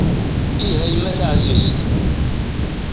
Ih a yemma taɛzizt.